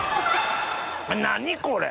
何これ！